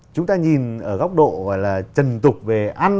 chúng ta nhìn ở góc độ gọi là trần tục về ăn